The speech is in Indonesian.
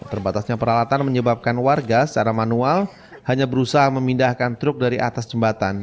terbatasnya peralatan menyebabkan warga secara manual hanya berusaha memindahkan truk dari atas jembatan